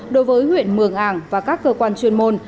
đối với huyện mường ảng và các cơ quan chuyên môn